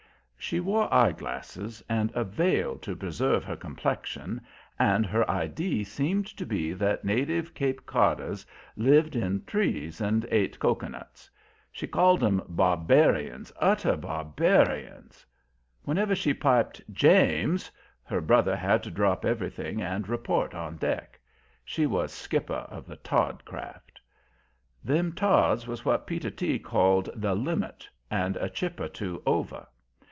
She wore eye glasses and a veil to "preserve her complexion," and her idee seemed to be that native Cape Codders lived in trees and ate cocoanuts. She called 'em "barbarians, utter barbarians." Whenever she piped "James" her brother had to drop everything and report on deck. She was skipper of the Todd craft. Them Todds was what Peter T. called "the limit, and a chip or two over."